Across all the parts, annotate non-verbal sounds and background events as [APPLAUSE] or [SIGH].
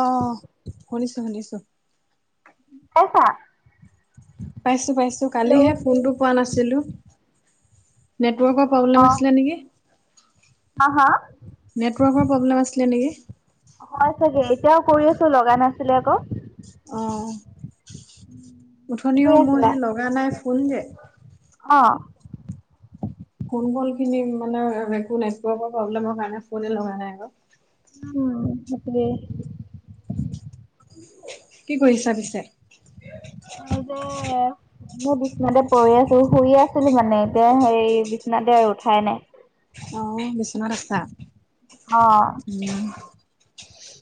অহ, শুনিছোঁ-শুনিছোঁ। পাইছা? পাইছোঁ-পাইছোঁ, কালিহে হেল্ল'। ফোনটো পোৱা নাছিলোঁ। নেটৱৰ্কৰ প্ৰব্লেম অ', আছিলে নেকি? হা! হা! নেটৱৰ্কৰ প্ৰব্লেম আছিলে নেকি? হয় চাগে। এতিয়াও কৰি আছোঁ লগা নাছিলে আকৌ। অ'! কি ওঠনিও কৰি মোৰ, আছিলা? সেই লগা নাই, ফোন যে। অ'! ফোন ক'ল খিনি মানে, একো নেটৱৰ্কৰ প্ৰব্লেমৰ কাৰণে, ফোনে লগা নাই আ'ক। উম! তাকেহে। কি কৰিছা পিছে? মই যে, মোৰ বিচনাতে পৰি আছোঁ, শুই আছিলোঁ মানে। এতিয়া, হেৰি বিচনাতে আৰু উঠাই নাই। অ'! বিচনাত আছা। অ', [UNINTELLIGIBLE]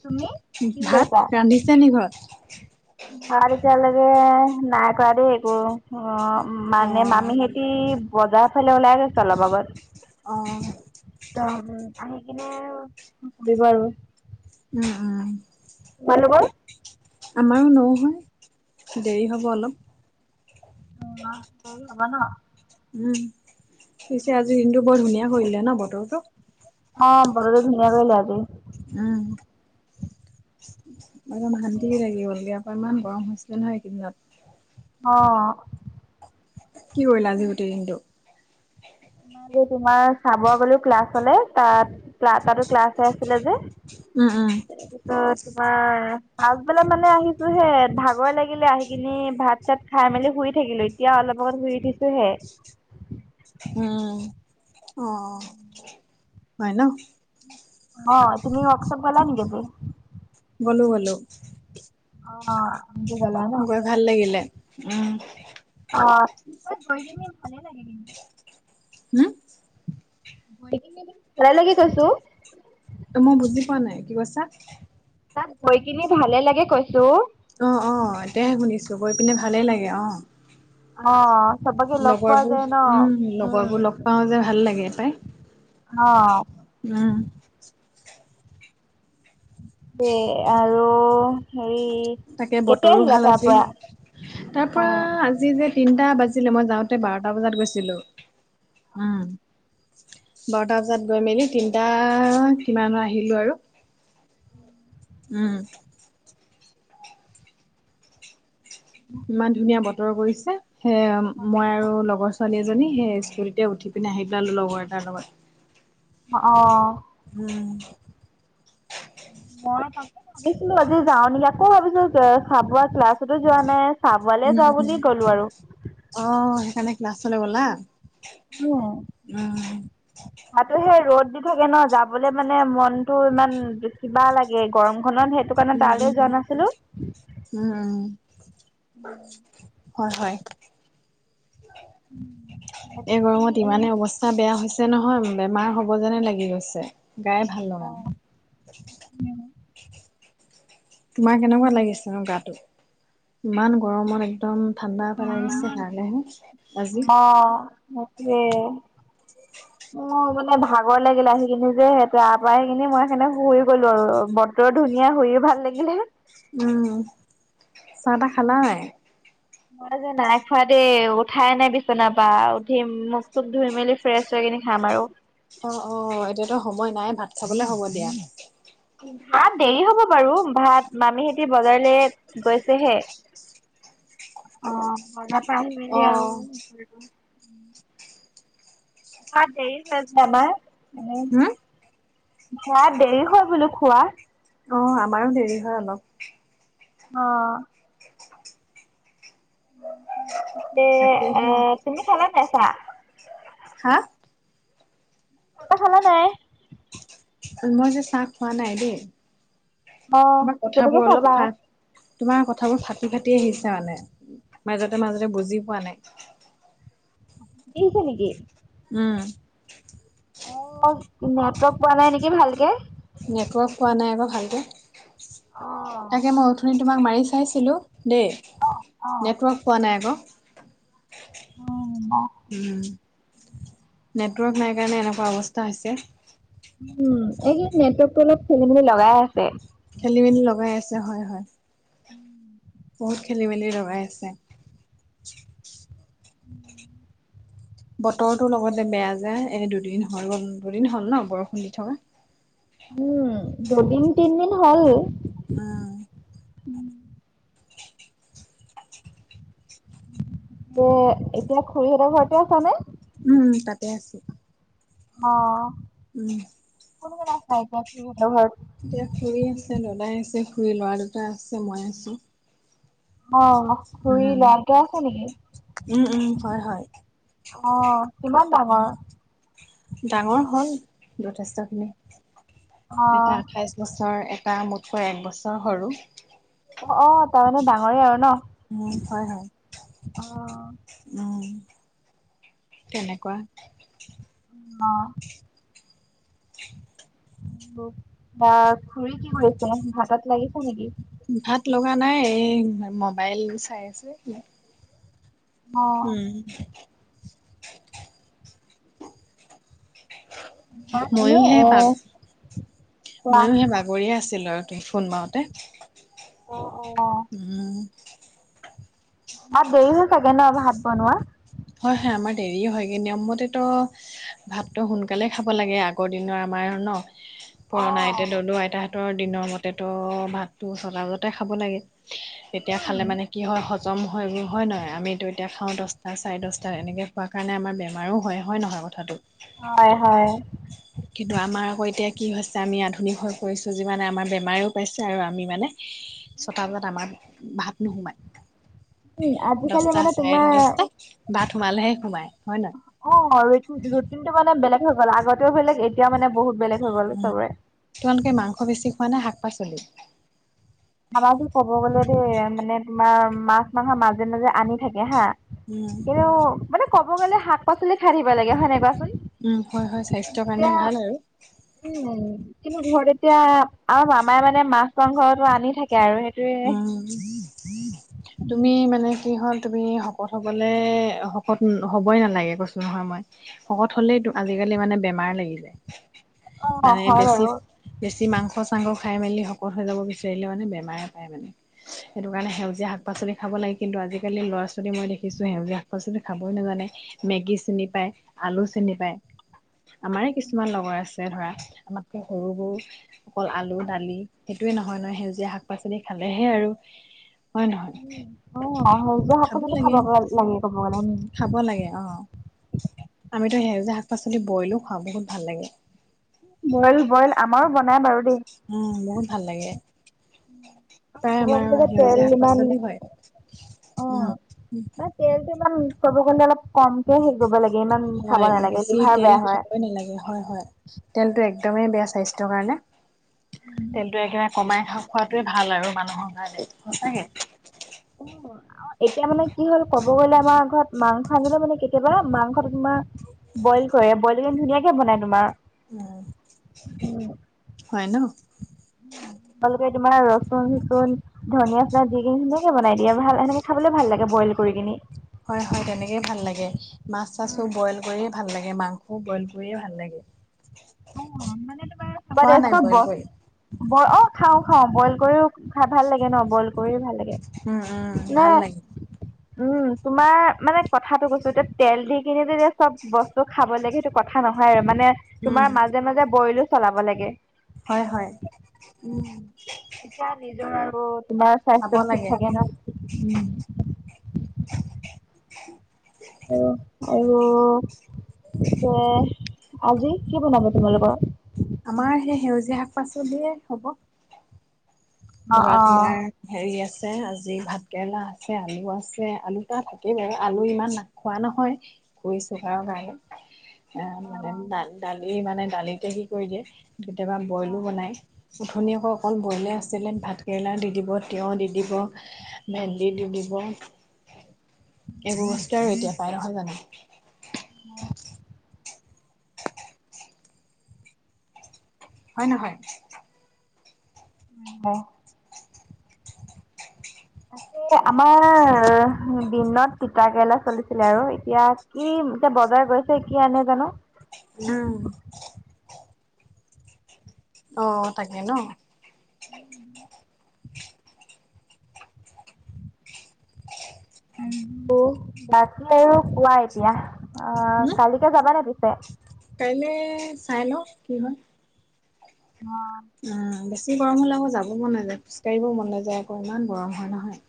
তুমি কি কৰি ভাত আছা? ৰান্ধিছে নি ঘৰত? ভাত এতিয়ালৈকে, নাই কৰা দেই একো, অ'! অ মানে, মামী হে যি বজাৰ ফালে ওলাই গৈছে, অলপ অ আগত। ত' আহি কিনে [UNINTELLIGIBLE] দিবা আৰু। উম, উম। মানুহবোৰ। আমাৰো নৌ হয়, দেৰি হ'ব অলপ। [UNINTELLIGIBLE] উম! পিছে আজি, দিনটো বৰ ধুনীয়া কৰিলে ন'! বতৰটো। অ'! বতৰটো ধুনীয়া কৰিলে আজি। উম! [UNINTELLIGIBLE] শান্তিয়ে লাগি গ'লগে। ইয়াৰ পৰা ইমান গৰম হৈছিলে, নহয়! এইকেইদিনত। অ'! কি কৰিলা, আজি গোটেই দিনটো? তোমাৰ চাব গ'লো ক্লাছলে, তাত তাতো, ক্লাছ হৈ আছিলে যে। উম, উম। তাৰপিছত তোমাৰ, পাছবেলা মানে, আহিছোঁহে। ভাগৰে লাগিলে, আহি কিনি ভাত-চাত খাই মেলি শুই থাকিলোঁ। এতিয়া, অলপ আগত শুই উঠিছোঁহে। উম! অ'! হয় ন'? অ'! তুমি ৱৰ্কশ্বপ গ'লা নেকি? [UNINTELLIGIBLE] গ'লো, গ'লো। অ'! আজি গলা ন। গৈ ভাল লাগিলে। উম! অ'! তাত, গৈ কিনে ভালে লাগে, কিন্তু! হুম? [UNINTELLIGIBLE] অ'! মই বুজি পোৱা নাই, কি কৈছা? তাত, গৈ কিনে ভালে লাগে, কৈছোঁ! অ' অ'! এতিয়াহে শুনিছোঁ, গৈ পিনে ভালেই লাগে, অ'! অ' অ'! চবত লগৰবোৰ, উম! লগৰ বোৰ লগ পাওঁ যে, ভাল লাগে পাই! অ'! উম। এ, আৰু হেৰি তাকে, কেতিয়া বতৰো আহিলা ভাল তাৰ আজি। পৰা? তাৰপৰা অ'। আজি যে, তিনটা বাজিলে মই যাওঁতে, বাৰটা বজাত গৈছিলোঁ। উম! বাৰটা বজাত গৈ মেলি, তিনিটা কিমানত আহিলোঁ আৰু। উম! ইমান ধুনীয়া বতৰ কৰিছে! সেই আৰু মই আৰু লগৰ ছোৱালী এজনী, সেই স্কুটিতে উঠি পিনে, আহি পেলালোঁ, লগৰ এটাৰ লগত। অ'! হম। মই তাকে ভাবিছিলোঁ আজি যাওঁ নেকি, আকৌ ভাবিছোঁ চাব ক্লাছতো যোৱা নাই। চাবুৱালে উম', যাওঁ বুলি উম'। গ'লো আৰু। অহ, সেইকাৰণে ক্লাছলে নগলা। উম, উম। তাতো সেই ৰ'দ দি থাকে ন' যাবলৈ মানে মনটো ইমান কিবা লাগে, গৰম খনত সেইটো কাৰণে তালৈ যোৱা উম-উম-উম', নাছিলো। উম-উম', হয়-হয়। এই বাকী গৰমত এনে ইমানে অৱস্থা বেয়া হৈছে নহয়, বেমাৰ হ'ব যেনে লাগি গৈছে। গাই ভাল লগা নাই। উম। তোমাৰ কেনেকুৱা লাগিছে ন' গাটো, ইমান গৰমত একদম ঠাণ্ডা পেলাই দিছে কাৰণেহে আজি। বাপৰে। অহ, মানে ভাগৰ লাগিলে আহিখিনি যে তাৰ পৰা আহি কিনি মই সেই কাৰণে শুই গ'লো আৰু। ধুনীয়া শুইও ভাল লাগিলে। উম, চাহ-তাহ খালানে নাই? মই যে নাই খোৱা দেই উঠাই নাই বিচনাৰ পৰা, উঠিম মুখ-চুখ ধুই মেলি ফ্ৰেছ হৈ কিনে খাম আৰু। অহ', অহ'। এতিয়াতো সময় নাই ভাত খাবলে হ'ব দিয়া। ভাত দেৰি হ'ব বাৰু। ভাত, মামীহঁতে বজাৰলে গৈছেহে। অহ, বজা অহ। ভাত দেৰি হয় যে আমাৰ এনেই হুম, ভাত দেৰি হয় বোলো খোৱা। অহ, আমাৰো দেৰি হয় অলপ। অহ। দে তাকেহে অহ, তুমি খালানে নাই চাহ? হা! চাহ-তাহ খালা নাই? মই যে চাহ খোৱা নাই দেই। অ' তোমাৰ কেতিয়াকে কথাবোৰ অলপ খাবা? তোমাৰ কথাবোৰ ফাটি-ফাটি আহিছে মানে মাজতে-মাজতে বুজি পোৱা নাই। ফাটি আহিছে নেকি? উম। অহ, নেটৱৰ্ক পোৱা নাই নেকি ভালকে। নেটৱৰ্ক পোৱা নাই আকৌ ভালকে, তাকে অ মই আঠনি তোমাক মাৰি চাইছিলোঁ। দেই, নেটৱৰ্ক পোৱা নাই আকৌ। অহ, হ'ব। উম, নেটৱৰ্ক নাই কাৰণে এনেকুৱা অৱস্থা হৈছে। উম, এইকেদিন নেটৱৰ্কটো অলপ খেলি মেলি লগাই আছে। খেলি মেলি লগাই আছে হয়, হয়। উম। বহুত খেলি মেলি লগাই আছে। বতৰটো লগতে বেয়া যে এই দুদিন হ'ল দুদিন হ'ল ন' বৰষুণ দি থকা। উম, দুদিন তিনদিন হ'ল। উম। উম। এতিয়া খুৰীহঁতৰ ঘৰতে আছানে? উম, তাতে আছোঁ। অহ, কোন কোন আছা এতিয়া খুৰীহাঁতৰ ঘৰত? এতিয়া খুৰী আছে, দদাই আছে, খুৰী ল'ৰা দুটা আছে, মই আছোঁ। অহ, খুৰীৰ ল'ৰা দুটা আছে নেকি? উম উম হয় হয় অ', কিমান ডাঙৰ? ডাঙৰ হ'ল যথেষ্টখিনি। অ এটা আঠাইছ বছৰ, এটা মোতকৈ এক বছৰ সৰু। অ', অ', তাৰমানে ডাঙৰে আৰু নহ! উম, হয়, হয়, উম, তেনেকুৱা। অ'। বা খুৰী কি কৰিছে, ভাতত লাগিছে নেকি? ভাত লগা নাই, এই মোবাইল চাই আছে। অ উম। ভাত এনে ময়ো এ হে পাঘ, খোৱা ময়ো হে পাঘ বহিয়ে আছিলোঁ আৰু তুমি ফোন মাৰোতে। অ', অ', অ'। উম। অ', দেৰি হয় চাগে ন, ভাত বনোৱা? হয়, হয় আমাৰ দেৰি হয়গে নিয়ম মতেটো ভাতটো সোনকালে খাব লাগে, আগৰ দিনৰ আমাৰ ন! পুৰণা আইতা উম দদৌ আইতাহতৰ দিনৰ মতেটো ভাতো ছটাবজাতেই খাব লাগে। এতিয়া খালে মানে কি হয়, হজম হয়বোৰ হয় ন, আমিতো এতিয়া খাওঁ দছটা চাৰে দহটা এনেকৈ খোৱাৰ কাৰণে আমাৰ বেমাৰো হয়, হয়, নহয় কথাটো? হয়, হয়। কিন্তু আমাৰ আকৌ এতিয়া কি হৈছে আমি আধুনিক হৈ পৰিছোঁ যিমানে আমাৰ বেমাৰও পাইছে, আৰু আমি মানে অ ছটাবজাত আমাৰ ভাত নোসোমায়, উম আজিকালি দছটা মানে চাৰেটা তোমাৰ দছটাত ভাত সোমালেহে সোমাই হয়, নহয়? অ', ৰুটিন, ৰুটিনটো মানে বেলেগ হৈ গ'ল, আগতেও বেলেগ এতিয়াও মানে বহুত বেলেগ হৈ গ'ল উম চবৰে। তোমালোকে মাংস বেছি খোৱা নে, শাক পাচলি? আমাৰতো ক'ব গ'লে দেই মানে তোমাৰ মাছ মাংস মাজে, মাজে আনি থাকে হা। উম। কিন্তু মানে কব গ'লে শাক পাচলি খায়ে থাকিব লাগে হয়, নাই কোৱাচোন? উম, হয়, হয়, স্বাস্থ্যৰ এতিয়া কাৰণে ভাল আৰু। উম, কিন্তু ঘৰত এতিয়া আৰু মামাই মানে মাছ মাংসতো আনি থা কে আৰু সেইটোৱে। [INAUDIBLE] তুমি মানে কি হ'ল তুমি শকত হ'বলে শকত হ'বই নালাগে কৈছোঁ নহয় মই। শকত হ'লেই আজিকালি মানে বেমাৰ লাগি যায়, অ মানে হয় বেছি বাৰু বেছি মাংস চাংস খাই মেলি শকত হৈ যাব বিচাৰিলে মানে বেমাৰে পায় মানে। সেইটো কাৰণে সেউজীয়া শাক পাচলি খাব লাগে, কিন্তু আজিকালি ল'ৰা ছোৱালী মই দেখিছোঁ সেউজীয়া শাক পাচলি খাবই নাজানে মেগী চিনি পায়, আলু চিনি পায়, আমাৰে কিছুমান লগৰ আছে ধৰা আমাতকে সৰুবোৰ অকল আলু দালি সেইটোয়ে নহয়, নহয় সেউজীয়া শাক পাচলি লি খালেহে আৰু। হয় নহয় অ', সেউজীয়া শাক পাচলি খাব লাগে ক'ব গ'লে উম। খাব লাগে অ'। আমিতো সেই যে শাক পাচলি বইলো খাওঁ বহুত ভাল লাগে। বইল, বইল আমাৰো বনাই বাৰু দেই। উম, বহুত ভাল লাগে। প্ৰায় ক'ব গ'লে আমাৰ যে তেল সেউজীয়া শাক ইমান পাচলি হয়, উম। তেলতটো ইমান ক'ব গ'লে অলপ কমকে হেৰি কৰিব লাগে, ইমান হয় খাব নালাগে বেছি লিভাৰ তেল বেয়া হয়। খাবই নালাগে হয়, হয়, তেলটো একদমেই বেয়া স্বাস্থ্যৰ কাৰণে, তেলটো একেবাৰে কমাই খাক-খোৱাটোৱে ভাল আৰু মানুহৰ কাৰণে সঁচাকে। এতিয়া মানে কি হ'ল ক'ব গ'লে আমাৰ ঘৰত মাংস আনিলে মানে কেতিয়াবা মাংস তোমাৰ বইল কৰে, বইল ধুনীয়াকে বনাই তোমাৰ। উম, হয় ন। তপমালোকে তোমাৰ ৰচুন চচুন ধনিয়া চলিয়া দি কেনে ধুনিয়াকে বনাই দিয়ে আৰু ভাল সেনেকে খাবলৈ ভাল লাগে বইল কৰি কিনি। হয় হয়, তেনেকেই ভাল লাগে, মাছ চাছো উম বইল কৰিয় ভাল লাগে, মাংসও বইল কৰিয়ে ভাল লাগে। অ' মানে তোমাৰ খোৱা সবাৰে নাই চব বইল বছ কৰি ব অ' খাও খাওঁ, বইল কৰিও খাই ভাল লাগে ন, বইল কৰি ভাল লাগে। উম উম ভাল নাই। লাগে উম, তোমাৰ মানে কথাটো কৈছো এতিয়া তেল দি কেনে যেতিয়া চব বস্তু খাব লাগে সেইটো কথা নহয়, আৰু মানে উম তোমাৰ মাজে মাজে বইলো চলাব লাগে। হয় হয়। উম, এতিয়া নিজৰ আৰু তোমাৰ খাব স্বাস্থ্য ঠিক লাগে থাকে ন। উম। অ' আৰু পিছে আজি কি বনাব তোমালোকৰ? আমাৰ সেই সেউজীয়া শাক পাচলিয়ে হ'ব। অ ধৰা অ তোমাৰ হেৰি আছে, আজি ভাত কেৰেলা আছে, আলু আছে, আলু তটা থাকেই বাৰু আলু ইমান না খোৱা নহয়, খইছোঁ বাৰ গাহে আহ, অ মানে দালি মানে দালিতে কি কৰি দিয়ে। কেতিয়াবা অ বইলো বনাই, উঠনি আকৌ অকল বইলে আছে। যেলেন ভাতকেৰেলা দি দিব, তিঁয়হ দি দিব, ভেন্দি দি দিব। এইবোৰ বস্তুে আৰু এতিয়া পাই নহয় জানো। অ'। হয় নহয়। হয়। আ আমাৰ দিনত তিতা কেৰেলা চলিছিলে আৰু এতিয়া কি এয়া বজাৰ গৈছে কি আনে জানো। উম। অ' তাকে ন। বাকী আৰু কোৱা এতিয়া অ' কালিকে যাবানে পিছে। কাইলৈ চাই ল কি হয়। অ'। উম, বেছি গৰম হ'লে আকৌ যাব মন নাযায়, খোজকাঢ়িব মন নাযায়, আকৌ ইমান গৰম হয় নহয়।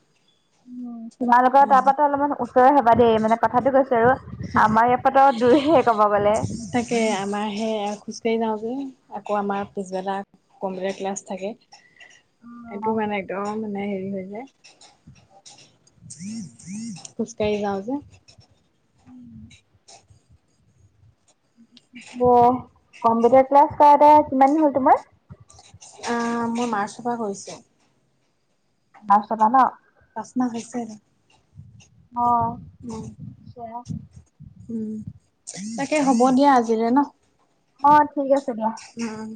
তোমালোকৰ তাৰ পৰাটো অলপমান ওচৰৰে হবা দেই মানে কথাটো কৈছো আৰু। আমাৰ ইয়াৰপাতো দূৰেহে কব গলে। থাকে আমাৰ সে খোজকাঢ়ি যাওঁ যে, আকৌ আমাৰ পিছবেলটা কম্পিউটাৰ ক্লাছ থাকে। এটো মানে একদম মানে হেৰি হৈ যে। খোজকাঢ়ি যাওঁ যে। [INAUDIBLE] অ', কম্পিউটাৰ ক্লাছ কৰা এটা কিমান দিন হ'ল তোমাৰ? মই মাৰ্চৰ পৰা কৰিছোঁ। মাৰ্চৰ পৰা ন? পাচঁ মাহ হৈছে। অ'। উম'। [UNINTELLIGIBLE] উম, তাকে হব দিয়া আজিলে ন? অ', ঠিক আছে দিয়া। উম'।